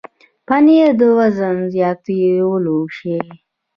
پنېر وزن زیاتولی شي.